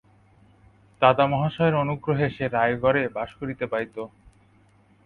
দাদা মহাশয়ের অনুগ্রহে সে রায়গড়ে বাস করিতে পাইত।